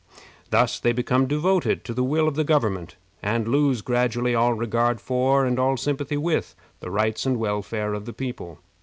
Thus they become devoted to the will of the government, and lose gradually all regard for, and all sympathy with the rights and welfare of the people.